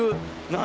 何？